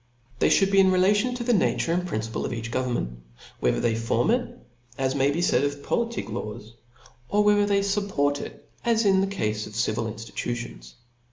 They (hould be relative to the nature and principle of each government; whether they form it, as may be faid of politic laws •, or whether they fupport it, as in the cafe of civil inftitutions.